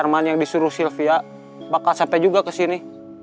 si herman yang disuruh silvia bakal sampai juga ke sini